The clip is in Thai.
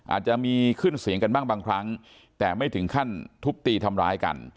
อาจจะมีขึ้นเสียงกันบ้างบางครั้งแต่ไม่ถึงขั้นทุบตีทำร้ายกัน